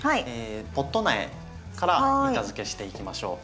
ポット苗から板づけしていきましょう。